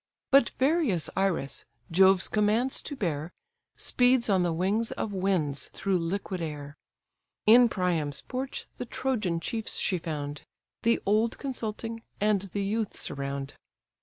But various Iris, Jove's commands to bear, Speeds on the wings of winds through liquid air; In Priam's porch the Trojan chiefs she found, The old consulting, and the youths around.